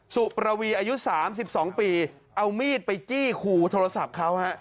ประวีอายุ๓๒ปีเอามีดไปจี้ขู่โทรศัพท์เขาฮะ